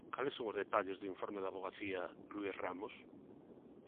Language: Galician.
Cales son os detalles do informe da Avogacía, Luís Ramos?